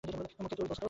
মুখের তুল, দোস্ত।